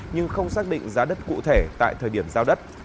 nhưng không xác định giá đất cụ thể tại thời điểm giao đất